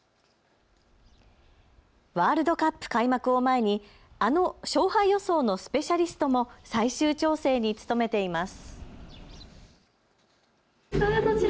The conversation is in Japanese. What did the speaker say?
ワールドカップ開幕を前にあの勝敗予想のスペシャリストも最終調整に努めています。